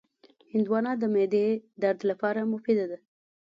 هندوانه د معدې درد لپاره مفیده ده.